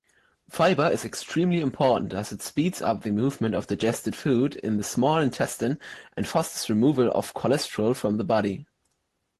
Fiber is extremely important, as it speeds up the movement of digested food in the small intestine and fosters removal of cholesterol from the body.